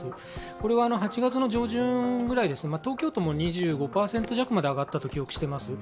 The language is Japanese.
これは８月の上旬ぐらい、東京都も２５％弱まで上がったと記憶しています。